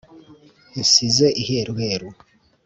insize iheruheru